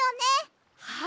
はい。